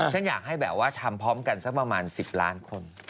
ฉันอยากให้แบบว่าทำพร้อมกันสักประมาณ๑๐ล้านคน